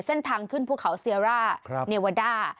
เส้นทางขึ้นภูเขาเซียร่าเนวาด้า